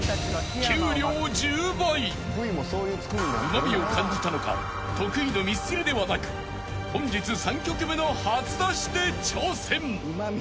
［うまみを感じたのか得意のミスチルではなく本日３曲目の初出しで挑戦］